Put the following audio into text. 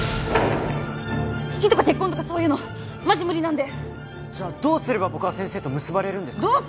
好きとか結婚とかそういうのマジ無理なんでじゃあどうすれば僕は先生と結ばれるんですか？